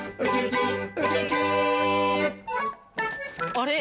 あれ？